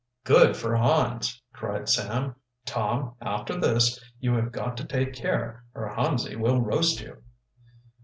"Good for Hans!" cried Sam. "Tom, after this, you have got to take care, or Hansie will roast you."